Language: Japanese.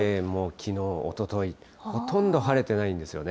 きのう、おととい、ほとんど晴れてないんですよね。